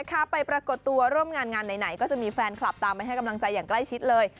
ไปปรากฏตัวร่วมงานงานไหนก็จะมีแฟนคลับตามไปให้กำลังใจอย่างใกล้ชิดเลย